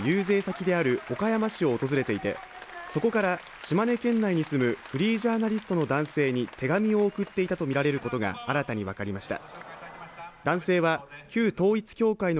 また山上容疑者は事件前日、安倍元総理の遊説先である岡山市を訪れていて、そこから島根県内に住むフリージャーナリストの男性に手紙を送っていたと見られることが分かりました。